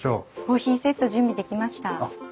コーヒーセット準備できました。